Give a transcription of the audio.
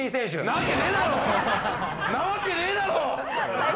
なわけねえだろ。